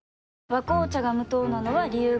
「和紅茶」が無糖なのは、理由があるんよ。